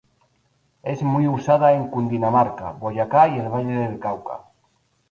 Es muy usada en Cundinamarca, Boyacá y en el Valle del Cauca.